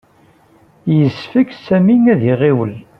Yessefk Sami ad iɣiwel.